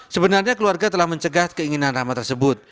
sebenarnya keluarga telah mencegah keinginan rahma tersebut